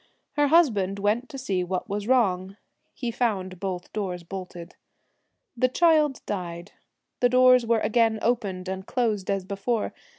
Her husband went to see what was wrong. He found both doors bolted. The child died. The doors were again opened and closed as before.